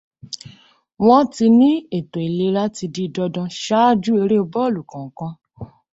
Wọ́n ti ní ètò ìlera ti di dandan ṣáájú eré bọ́ọ̀lù kankan.